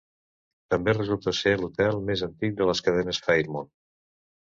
També resulta ser l'hotel més antic de les cadenes Fairmont.